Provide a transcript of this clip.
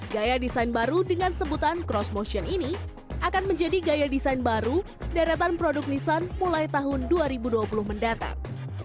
gaya desain baru dengan sebutan cross motion ini akan menjadi gaya desain baru deretan produk nissan mulai tahun dua ribu dua puluh mendatang